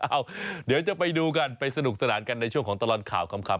เดี๋ยวจะไปดูกันไปสนุกสนานกันในช่วงของตลอดข่าวขำ